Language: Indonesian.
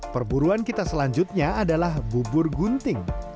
perburuan kita selanjutnya adalah bubur gunting